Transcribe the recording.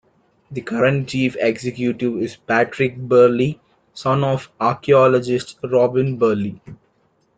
The current Chief Executive is Patrick Birley, son of archaeologist Robin Birley.